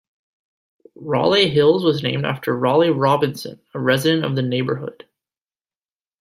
Raleigh Hills was named after Raleigh Robinson, a resident of the neighborhood.